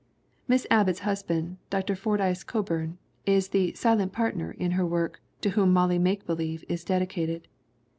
Miss Abbott's husband, Dr. Fordyce Coburn, is the "silent partner" in her work to whom Molly Make Believe is dedicated.